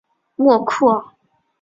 莫库尔。